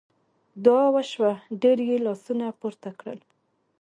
دعا وشوه ډېر یې لاسونه پورته کړل.